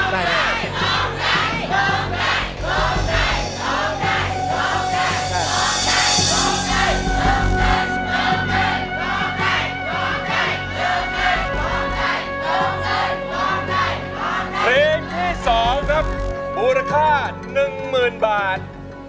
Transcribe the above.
ทีที่สองครับบูรค่าหนึ่งหมื่นบาท